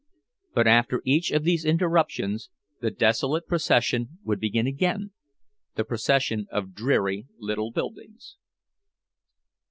But after each of these interruptions, the desolate procession would begin again—the procession of dreary little buildings.